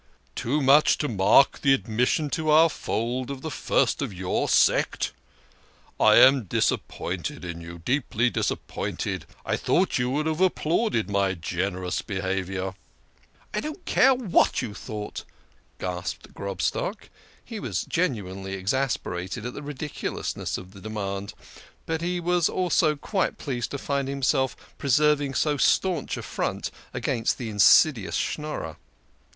"Too much to mark the admission to our fold of the first of your sect ! I am disappointed in you, deeply disappointed. I thought you would have applauded my generous behaviour." " I don't care what you thought !" gasped Grobstock. He was genuinely exasperated at the ridiculousness of the demand, but he was also pleased to find himself preserving so staunch a front against the insidious Schnorrer. If THE KING OF SCHNORRERS.